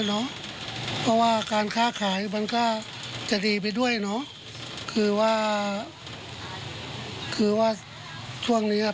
เพราะว่าการค้าขายมันก็จะดีไปด้วยเนอะคือว่าคือว่าช่วงนี้ครับ